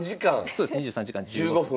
そうです２３時間１５分